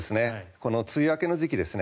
この梅雨明けの時期ですね